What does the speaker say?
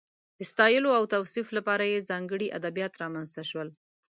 د ستایلو او توصیف لپاره یې ځانګړي ادبیات رامنځته شول.